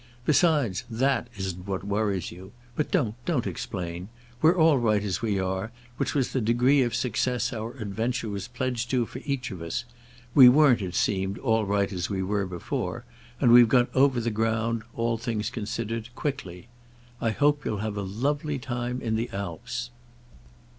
Besides, that isn't what worries you—but don't, don't explain! We're all right as we are: which was the degree of success our adventure was pledged to for each of us. We weren't, it seemed, all right as we were before; and we've got over the ground, all things considered, quickly. I hope you'll have a lovely time in the Alps."